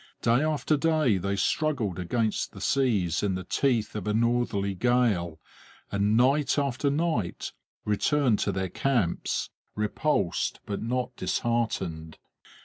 Day after day they struggled against the seas in the teeth of a northerly gale, and night after night returned to their camps, repulsed but not disheartened.